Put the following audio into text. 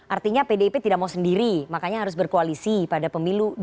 artinya pdip tidak mau sendiri makanya harus berkoalisi pada pemilu dua ribu sembilan belas